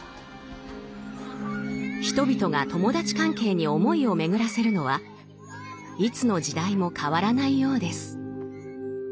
人々が友達関係に思いを巡らせるのはいつの時代も変わらないようです。